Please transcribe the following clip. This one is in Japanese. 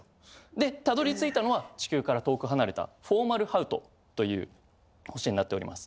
で辿り着いたのは地球から遠く離れたフォーマルハウトという星になっております。